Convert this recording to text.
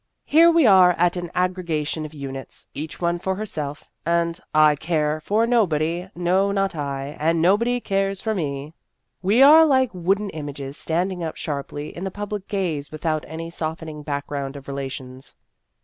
Here we are an aggre gation of units, each one for herself, and ' I care for nobody, no not I, and nobody cares for me !' We are like wooden images standing up sharply in the public gaze with out any softening background of relations.